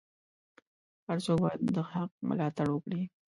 هر څوک باید د حق ملاتړ وکړي.